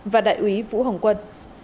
và đại úy vũ hồng quân